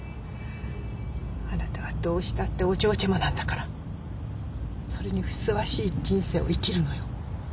あなたはどうしたってお嬢ちゃまなんだからそれにふさわしい人生を生きるのよ。